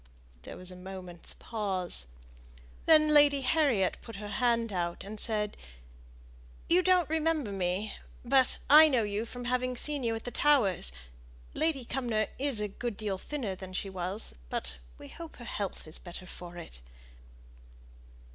There was a moment's pause. Then Lady Harriet put her hand out, and said, "You don't remember me, but I know you from having seen you at the Towers. Lady Cumnor is a good deal thinner than she was, but we hope her health is better for it."